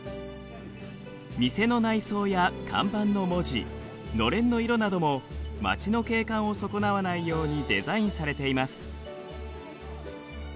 店の内装や看板の文字のれんの色なども町の景観を損なわないようにデザインされています。